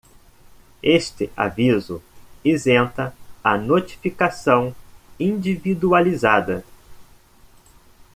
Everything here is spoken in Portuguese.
Este aviso isenta a notificação individualizada.